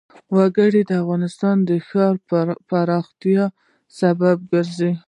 وګړي د افغانستان د ښاري پراختیا سبب کېږي.